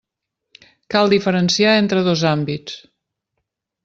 Cal diferenciar entre dos àmbits.